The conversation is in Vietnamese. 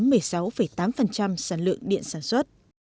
tổng công suất khoảng một mươi tám sản lượng điện sản xuất